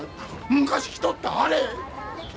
昔着とったあれ！